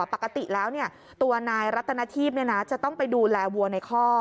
ปกติแล้วตัวนายรัตนาทีพจะต้องไปดูแลวัวในข้อ